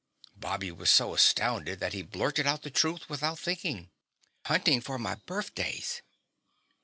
Bobby was so astounded that he blurted out the truth without thinking. "Hunting for my birthdays."